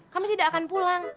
kami tidak akan pulang